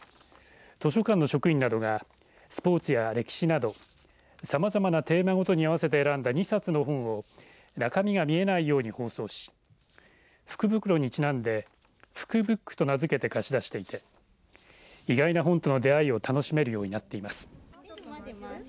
図書館の職員などがスポーツや歴史などさまざまなテーマごとに合わせて選んだ２冊の本を中身が見えないように包装し福袋にちなんで福ブックと名付けて貸し出していて意外な本との出会いを楽しめるようになっています。